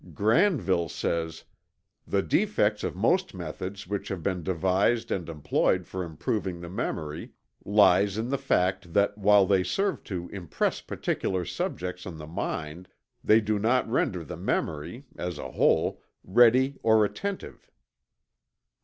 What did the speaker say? Granville says: "The defects of most methods which have been devised and employed for improving the memory, lies in the fact that while they serve to impress particular subjects on the mind, they do not render the memory, as a whole, ready or attentive."